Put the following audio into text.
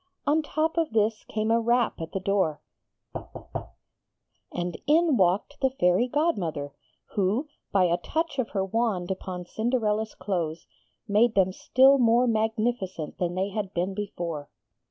On top of this came a rap at the door, and in walked the Fairy Godmother, who, by a touch of her wand upon Cinderella's clothes, made them still more magnificent than they had been before.